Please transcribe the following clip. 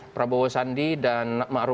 prabowo sandi dan